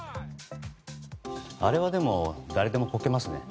あれはでも誰でもこけますね。